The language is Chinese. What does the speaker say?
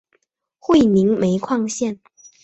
会宁煤矿线